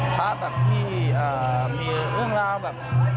พระแบบที่มีเรื่องราวแบบ